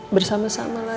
bersama sama lagi ya